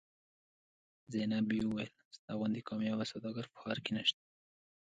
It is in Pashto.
زینبې وویل ستا غوندې کاميابه سوداګر په ښار کې نشته.